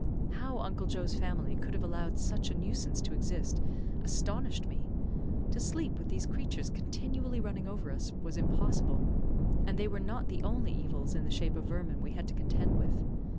How Uncle Joe's family could have allowed such a nuisance to exist astonished me; to sleep with these creatures continually running over us was impossible; and they were not the only evils in the shape of vermin we had to contend with.